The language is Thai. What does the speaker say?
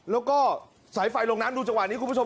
แล้วก็สายไฟลงน้ำดูจังหวะนี้คุณผู้ชม